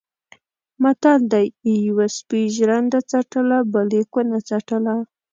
متل دی: یوه سپي ژرنده څټله بل یې کونه څټله.